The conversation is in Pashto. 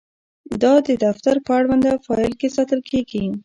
دا د دفتر په اړونده فایل کې ساتل کیږي.